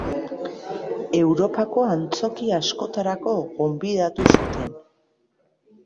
Europako antzoki askotara gonbidatu zuten.